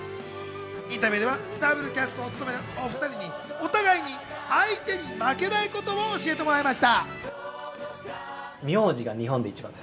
インタビューではダブルキャストを務めるお２人にお互いに相手に負けないことを教えてもらいました。